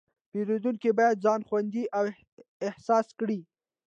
پیرودونکی باید ځان خوندي احساس کړي.